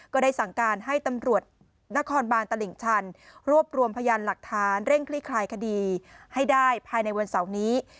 ก็ได้สั่งการให้ตำรวจนครบานตลิ่งชันรวบรวมพยานหลักฐานเร่งคลี่คลายคดีให้ได้ภายในวันเสาร์นี้